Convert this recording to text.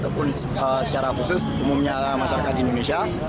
ataupun secara khusus umumnya masyarakat indonesia